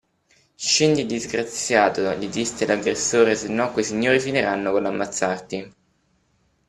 Scendi disgraziato gli disse l’aggressore se no quei signori finiranno coll’ammazzarti.